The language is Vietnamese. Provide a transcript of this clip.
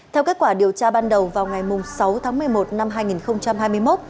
theo kết quả điều tra ban đầu vào ngày sáu tháng một mươi một năm hai nghìn hai mươi một